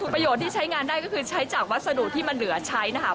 ประโยชน์ที่ใช้งานได้ก็คือใช้จากวัสดุที่มันเหลือใช้นะคะ